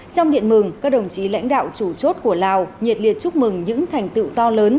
trong điện mừng các đồng chí lãnh đạo chủ chốt của lào nhiệt liệt chúc mừng những thành tựu to lớn